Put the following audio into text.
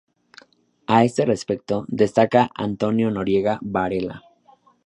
A este respecto, destaca Antonio Noriega Varela.